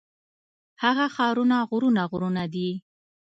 هغه ښارونه غرونه غرونه دي.